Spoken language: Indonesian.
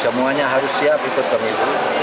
semuanya harus siap ikut pemilu